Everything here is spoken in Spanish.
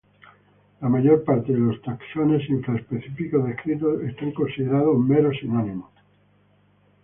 La mayor parte de los taxones infra-específicos descritos son considerados meros sinónimos.